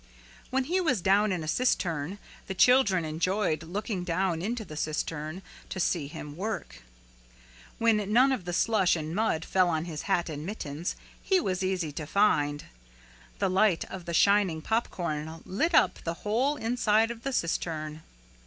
When he was down in a cistern the children enjoyed looking down into the cistern to see him work. When none of the slush and mud fell on his hat and mittens he was easy to find. The light of the shining popcorn lit up the whole inside of the cistern.